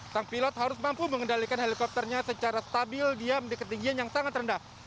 sang pilot harus mampu mengendalikan helikopternya secara stabil diam di ketinggian yang sangat rendah